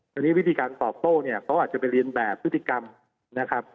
ทีนี้วิธีการตอบโต้เนี่ยเขาอาจจะไปเรียนแบบพฤติกรรมนะครับ